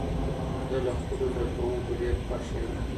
زه له خپلو زده کوونکو ډېر خوښ يم.